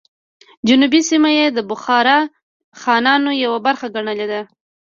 جنوبي سیمه یې د بخارا خانانو یوه برخه ګڼل کېده.